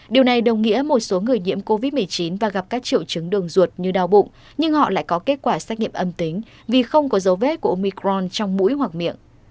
điều này đồng nghĩa một số người nhiễm covid một mươi chín và gặp các triệu chứng đường ruột như đau bụng nhưng họ lại có kết quả xét nghiệm âm tính vì không có dấu vết của omicron trong mũi hoặc miệng